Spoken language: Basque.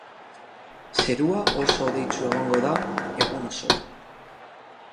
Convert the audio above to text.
Zerua oso hodeitsu egongo da egun osoan.